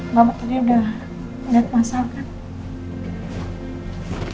mama tadi udah lihat mas al kan